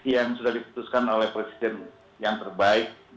yang sudah diputuskan oleh presiden yang terbaik